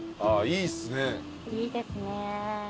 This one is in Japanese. いいですね。